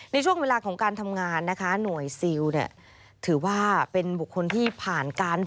ในช่วงเวลาของการทำงานหน่วยซิลถือว่าเป็นบุคคลที่ผ่านการฝึก